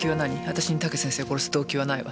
私に武先生殺す動機はないわ。